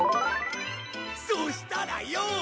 そしたらよ！